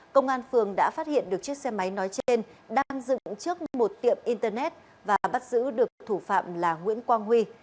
công an phường đã phát hiện được chiếc xe máy nói trên đang dựng trước một tiệm internet và bắt giữ được thủ phạm là nguyễn quang huy